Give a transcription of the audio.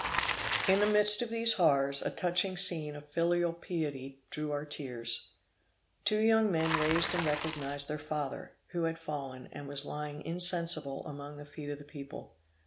In the midst of these horrors a touching scene of filial piety drew our tears. Two young men raised and recognized their father, who had fallen, and was lying insensible among the feet of the people.